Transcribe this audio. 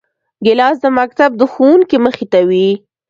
ګیلاس د مکتب د ښوونکي مخې ته وي.